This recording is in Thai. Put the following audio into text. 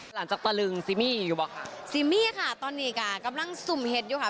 หลังจากตะลึงซิมี่อยู่บ้างค่ะซิมี่ค่ะตอนนี้ค่ะกำลังสุ่มเห็นอยู่ค่ะ